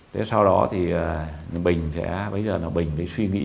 thế sau đó thì bình sẽ bây giờ là bình đi suy nghĩ